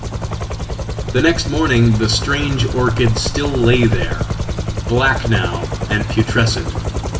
The next morning the strange orchid still lay there, black now andputrescent.